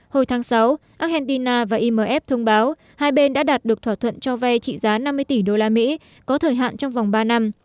hồi tháng sáu argentina và imf thông báo hai bên đã đạt được thỏa thuận cho vay trị giá năm mươi tỷ đô la mỹ có thời hạn trong vòng ba năm